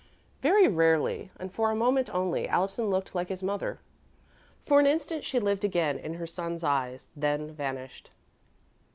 Very rarely, and for a moment only, Allison looked like his mother. For an instant she lived again in her son's eyes, then vanished.